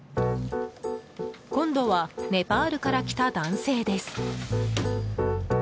今度はネパールから来た男性です。